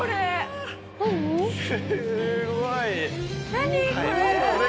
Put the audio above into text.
何これ！